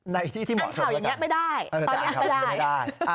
ในที่ที่เหมาะสมกันกันนะครับตอนนี้ไม่ได้ตอนนี้ไม่ได้นั่งขาวอย่างนี้ไม่ได้